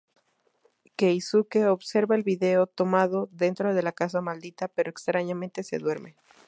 Keisuke observa el vídeo tomado dentro de la casa maldita, pero extrañamente se duerme.